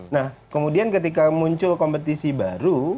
nah kemudian ketika muncul kompetisi baru